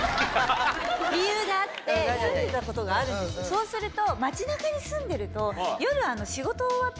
そうすると。